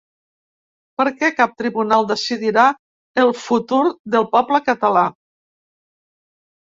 Perquè cap tribunal decidirà el futur del poble català.